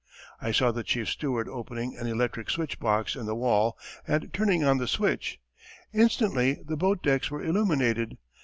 I saw the chief steward opening an electric switch box in the wall and turning on the switch. Instantly the boat decks were illuminated.